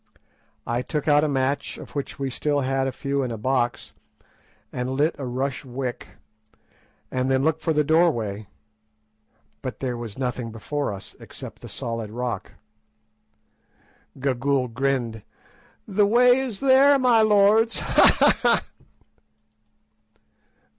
I took out a match, of which we had still a few in a box, and lit a rush wick, and then looked for the doorway, but there was nothing before us except the solid rock. Gagool grinned. "The way is there, my lords. _Ha! ha! ha!